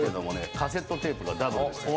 カセットテープがダブルです。